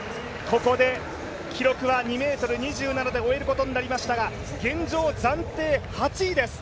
ここで記録は２ｍ２７で終えることになりましたが現状、暫定８位です。